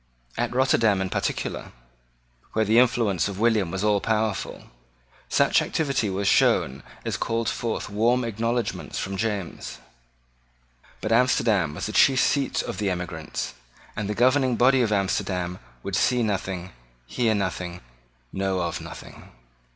At Rotterdam in particular, where the influence of William was all powerful, such activity was shown as called forth warm acknowledgments from James. But Amsterdam was the chief seat of the emigrants; and the governing body of Amsterdam would see nothing, hear nothing, know of nothing.